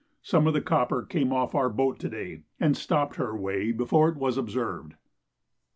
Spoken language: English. Some of the copper came off our boat to day and stopped her way before it was observed.